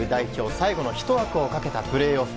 最後の１枠をかけたプレーオフ。